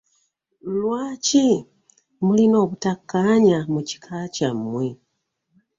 Lwaki mulina obutakanya mu kika kyamwe?